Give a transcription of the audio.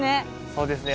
そうですね